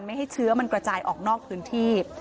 ไม่ให้เชื้อมันกระจายออกนอกพื้นที่